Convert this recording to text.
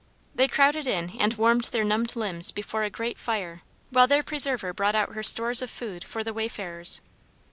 They crowded in and warmed their numbed limbs before a great fire, while their preserver brought out her stores of food for the wayfarers.